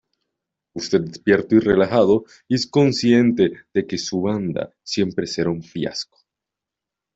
Usted despierto y relajado y es consciente de que su banda siempre será fiasco.